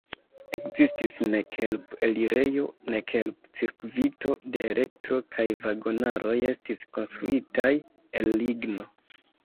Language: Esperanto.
Ekzistis nek help-elirejo, nek help-cirkvito de elektro kaj vagonaroj estis konstruitaj el ligno.